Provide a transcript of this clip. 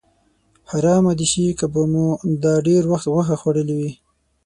حرامه دې شي که به مو دا ډېر وخت غوښه خوړلې وي.